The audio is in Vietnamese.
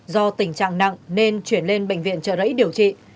do tình trạng nặng nên chuyển lên bệnh viện trợ rẫy điều trị